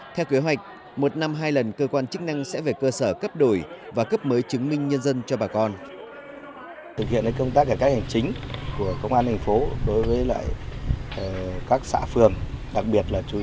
theo kế hoạch một năm hai lần cơ quan chức năng đã cấp đổi và cấp đổi